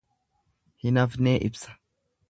Hin hafnee ibsa.